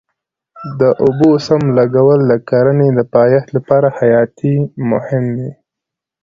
د اوبو سم لګول د کرنې د پایښت لپاره حیاتي مهم دی.